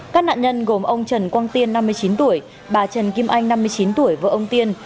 các nạn nhân gồm ông trần quang tiên năm mươi chín tuổi bà trần kim anh năm mươi chín tuổi vợ ông tiên